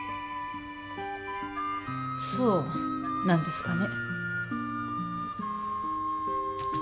そうなんですかね？